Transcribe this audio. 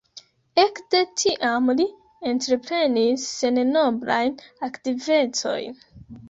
Ekde tiam li entreprenis sennombrajn aktivecojn.